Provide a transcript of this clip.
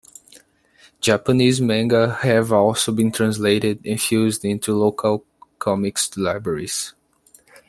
Japanese manga have also been translated and fused into local comics libraries.